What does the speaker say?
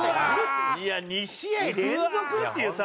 いや２試合連続っていうさ。